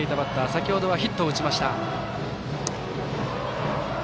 先ほどはヒットを打ちました。